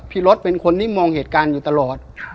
รถเป็นคนที่มองเหตุการณ์อยู่ตลอด